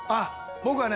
僕はね